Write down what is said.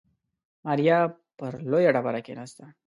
ماريا پر لويه ډبره کېناسته.